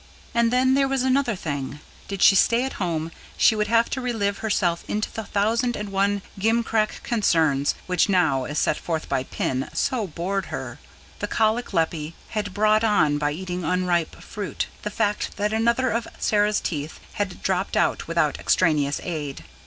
And then there was another thing: did she stay at home, she would have to re live herself into the thousand and one gimcrack concerns, which now, as set forth by Pin, so bored her: the colic Leppie had brought on by eating unripe fruit; the fact that another of Sarah's teeth had dropped out without extraneous aid.